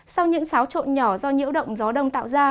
sau những xáo trộn nhỏ do nhiễu động gió đông tạo ra